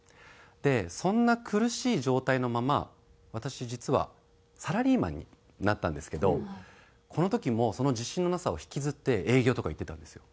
でそんな苦しい状態のまま私実はサラリーマンになったんですけどこの時もその自信のなさを引きずって営業とか行ってたんですよ。